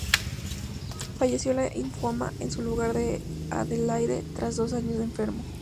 Falleció de un linfoma, en su hogar de Adelaide, tras dos años de enfermo.